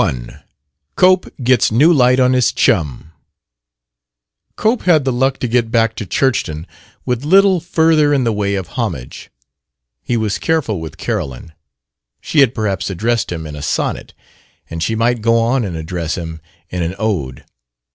31 COPE GETS NEW LIGHT ON HIS CHUM Cope had the luck to get back to Churchton with little further in the way of homage. He was careful with Carolyn; she had perhaps addressed him in a sonnet, and she might go on and address him in an ode.